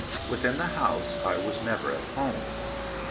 "Within the house I was never at home.